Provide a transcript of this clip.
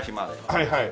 はいはい。